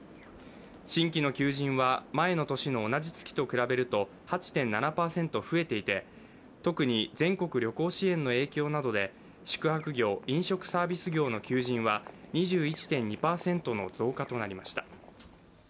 新規の求人は前の年の同じ月と比べると８．７％増えていて、特に全国旅行支援の影響などで宿泊業・飲食サービス業の求人は２１．２％の増加となりました。